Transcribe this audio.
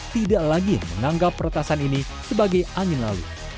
tidak lagi menganggap peretasan ini sebagai angin lalu